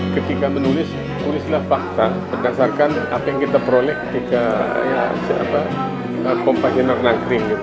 ketika menulis tulislah fakta berdasarkan apa yang kita prolek di kompagina penagih